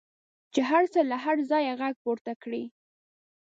چې هر څه له هره ځایه غږ پورته کړي.